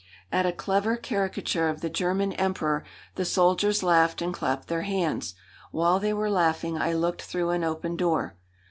At a clever caricature of the German Emperor the soldiers laughed and clapped their hands. While they were laughing I looked through an open door.